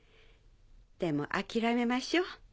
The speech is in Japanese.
でもあきらめましょう。